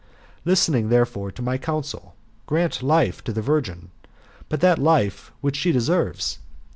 Listening, therefore, to my counsel, grant life to the virgin, but that life which she deserves.